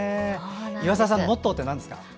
岩沢さんのモットーってなんですか。